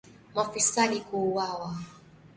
Mafisadi kuuawa